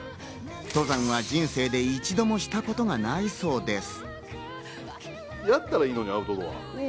登山は人生で一度もしたことがないそうです。